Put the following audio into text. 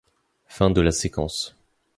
Fin de la séquence.